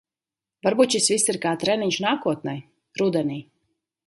Varbūt šis viss ir kā treniņš nākotnei? Rudenī.